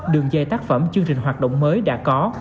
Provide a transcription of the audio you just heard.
đường dây tác phẩm chương trình hoạt động mới đã có